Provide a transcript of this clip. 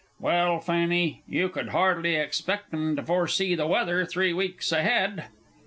Well, Fanny, you could hardly expect 'em to foresee the weather three weeks ahead!